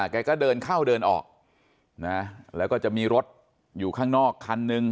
แกก็เดินเข้าเดินออกนะแล้วก็จะมีรถอยู่ข้างนอกคันนึง